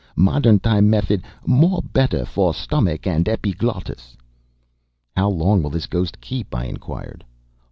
Modern time method more better for stomach and epiglottis." "How long will this ghost keep?" I inquired.